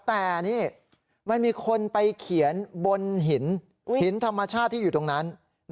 แต่นี่มันมีคนไปเขียนบนหินหินธรรมชาติที่อยู่ตรงนั้น